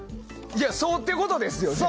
そういうことですよね。